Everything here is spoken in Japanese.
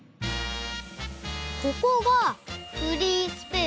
ここがフリースペース？